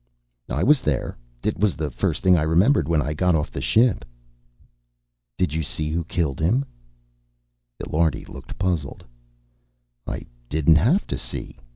"I was there. It was the first thing I remembered when I got off the ship." "Did you see who killed him?" Illiardi looked puzzled. "I didn't have to see.